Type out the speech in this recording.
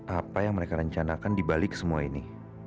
apa yang mereka rencanakan dibalik semua ini